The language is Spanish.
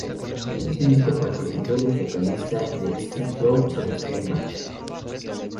En este disco participó el ex-vocalista de Skid Row, Sebastian Bach.